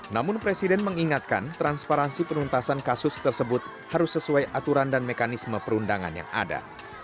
namun presiden mengingatkan transparansi penuntasan kasus tersebut harus sesuai aturan dan mekanisme perundangan yang ada